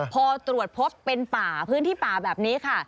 พอตรวจพบเป็นป่าพื้นที่ป่าแบบนี้ค่ะ